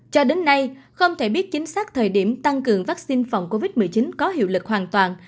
cho đến nay không thể biết chính xác thời điểm tăng cường vaccine phòng covid một mươi chín có hiệu lực hoàn toàn